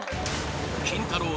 ［キンタロー。